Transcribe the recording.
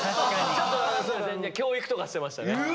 ちょっと教育とかしてましたね後輩の。